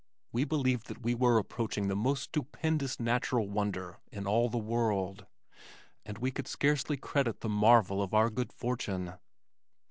We believed that we were approaching the most stupendous natural wonder in all the world, and we could scarcely credit the marvel of our good fortune.